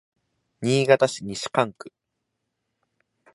新潟市西蒲区